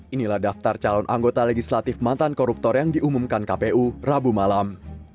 inilah daftar calon anggota legislatif mantan koruptor yang diumumkan kpu rabu malam